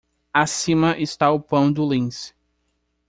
Acima está o pão do lince.